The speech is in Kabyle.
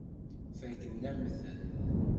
Fakken-am-ten.